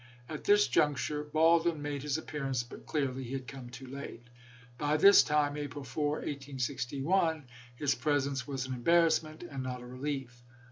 At this juncture Baldwin made his appearance, but clearly he had come too late. By this time (April 4, 1861) his presence was an embarrassment, and not a relief.